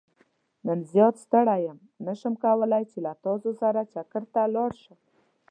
نن زيات ستړى يم نه شم کولاي چې له تاسو سره چکرته لاړ شم.